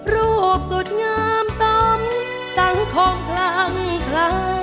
รูปสุดงามต้องสร้างของคลังไพร